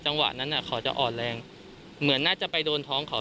จังหวะนั้นเขาจะอ่อนแรงเหมือนน่าจะไปโดนท้องเขา